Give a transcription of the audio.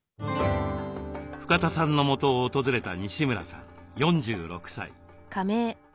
深田さんのもとを訪れた西村さん４６歳。